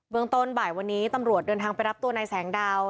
เมืองต้นบ่ายวันนี้ตำรวจเดินทางไปรับตัวนายแสงดาว